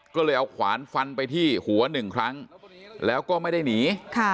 ก็เลยเอาขวานฟันไปที่หัวหนึ่งครั้งแล้วก็ไม่ได้หนี